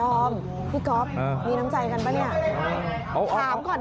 ดอมพี่ก๊อฟมีน้ำใจกันป่ะเนี่ย